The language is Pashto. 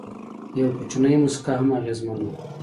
یو کوچنی موسکا هم اغېزمنه ده.